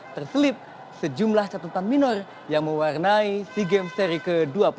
terselip sejumlah catatan minor yang mewarnai sea games seri ke dua puluh satu